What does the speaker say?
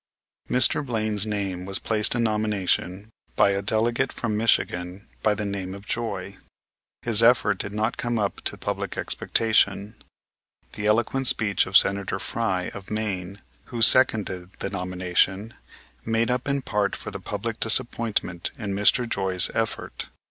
Mr. Blaine's name was placed in nomination by a delegate from Michigan by the name of Joy. His effort did not come up to public expectation. The eloquent speech of Senator Frye, of Maine, who seconded the nomination, made up in part for the public disappointment in Mr. Joy's effort.